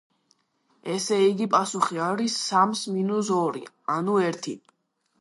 ესე იგი, პასუხი არის სამს მინუს ორი, ანუ ერთი.